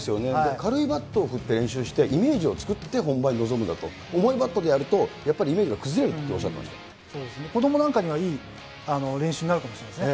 軽いバットを振って練習して、イメージを作って、本番に臨むんだと、重いバットだと、やっぱりイメージが崩れるっておっしゃっ子どもなんかにはいい練習になると思いますね。